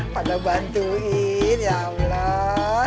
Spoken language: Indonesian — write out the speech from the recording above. pada bantuin ya allah